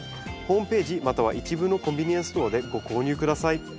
ホームページまたは一部のコンビニエンスストアでご購入下さい。